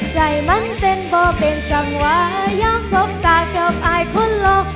ใจมันเต็นบ่เป็นจังหวะย้ำสกตากับไอคนล่ะ